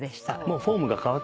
フォームが変わってたのかな。